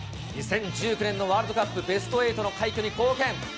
２０１９年のワールドカップベスト８の快挙に貢献。